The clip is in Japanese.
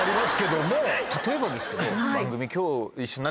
例えばですけど。